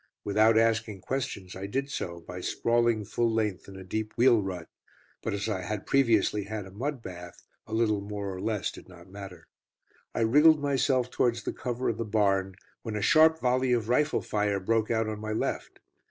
Without asking questions, I did so by sprawling full length in a deep wheel rut, but as I had previously had a mud bath, a little more or less did not matter. I wriggled myself towards the cover of the barn, when a sharp volley of rifle fire broke out on my left.